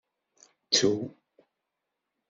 Ttu!